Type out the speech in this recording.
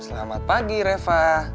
selamat pagi reva